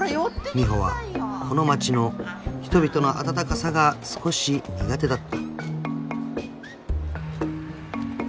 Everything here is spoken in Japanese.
［美帆はこの町の人々の温かさが少し苦手だった］